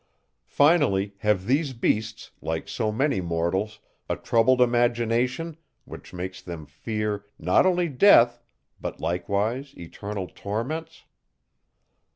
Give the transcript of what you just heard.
Finally, have these beasts, like so many mortals, a troubled imagination, which makes them fear, not only death, but likewise eternal torments?